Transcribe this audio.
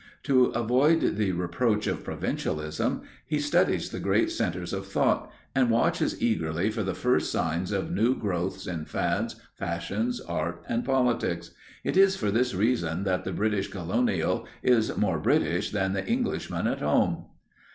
To avoid the reproach of provincialism he studies the great centers of thought and watches eagerly for the first signs of new growths in fads, fashions, art and politics. It is for this reason that the British colonial is more British than the Englishman at home.